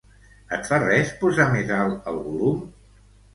Et fa res posar més alt el volum?